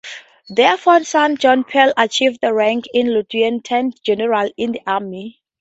Their fourth son, John Peel, achieved the rank of Lieutenant-General in the Army.